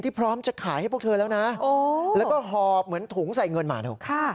พร้อมจะขายให้พวกเธอแล้วนะแล้วก็หอบเหมือนถุงใส่เงินมานะ